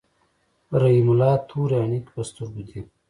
رحیم الله تورې عینکی په سترګو دي.